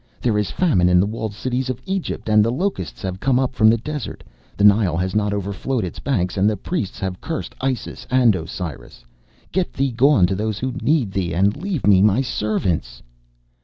There is famine in the walled cities of Egypt, and the locusts have come up from the desert. The Nile has not overflowed its banks, and the priests have cursed Isis and Osiris. Get thee gone to those who need thee, and leave me my servants.